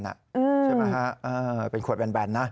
ใช่ไหมฮะเป็นขวดแบนนะ